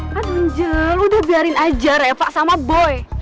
nenja lo udah biarin aja repak sama boy